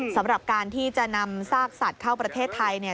สำหรับการที่จะนำซากสัตว์เข้าประเทศไทยเนี่ย